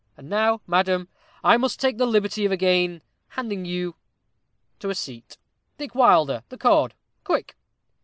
And now, madam, I must take the liberty of again handing you to a seat. Dick Wilder, the cord quick.